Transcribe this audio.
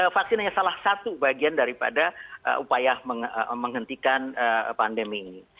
vaksin hanya salah satu bagian daripada upaya menghentikan pandemi ini